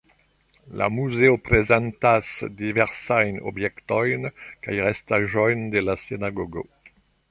La muzeo prezentas diversajn objektojn kaj restaĵojn de la sinagogo.